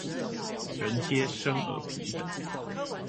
人皆生而平等